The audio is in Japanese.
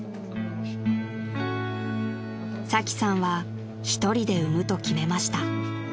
［サキさんはひとりで産むと決めました］